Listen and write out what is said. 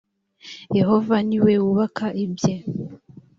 yehova ni we wubaka ibye.